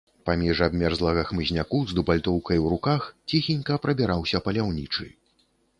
Паміж абмерзлага хмызняку з дубальтоўкай у руках ціхенька прабіраўся паляўнічы.